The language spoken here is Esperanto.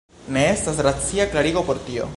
Ne estas racia klarigo por tio.